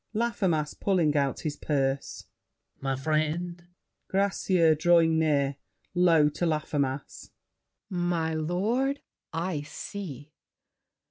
LAFFEMAS (pulling out his purse). My friend! GRACIEUX (drawing near, low to Laffemas). My lord—I see!